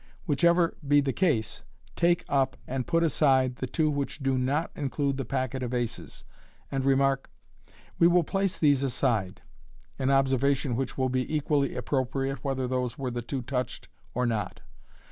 Whichever be the case, take up and put aside the two which do not include the packet of aces, and remark, u We will place these aside," an observation which will be equally appropriate whethei those were the two touched or not.